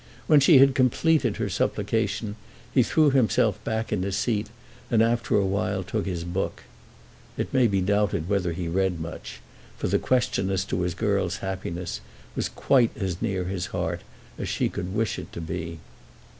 When she had completed her supplication he threw himself back in his seat and after a while took his book. It may be doubted whether he read much, for the question as to his girl's happiness was quite as near his heart as she could wish it to be.